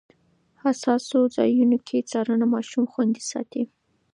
حساسو ځایونو کې څارنه ماشوم خوندي ساتي.